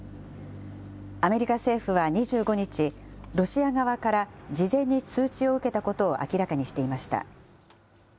アメリカ政府は２５日、ロシア側から事前に通知を受けたことを明らかにしていました。